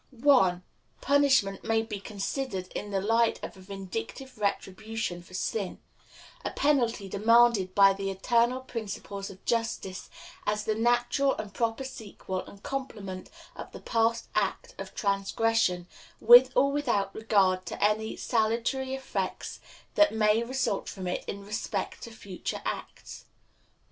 For, 1. Punishment may be considered in the light of a vindictive retribution for sin a penalty demanded by the eternal principles of justice as the natural and proper sequel and complement of the past act of transgression, with or without regard to any salutary effects that may result from it in respect to future acts.